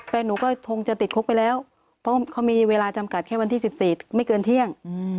แฟนหนูก็คงจะติดคุกไปแล้วเพราะเขามีเวลาจำกัดแค่วันที่๑๔ไม่เกินเที่ยง